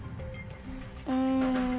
うん。